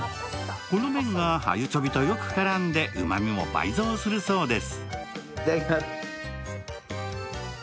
この麺が鮎チョビパスタとよく合ってうまみも倍増するそうです。